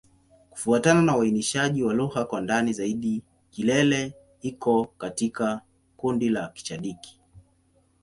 Kufuatana na uainishaji wa lugha kwa ndani zaidi, Kilele iko katika kundi la Kichadiki.